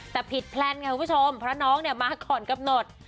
แต่ผิดแพลนค่ะคุณผู้ชมเพราะน้องเนี่ยมาก่อนกำหนด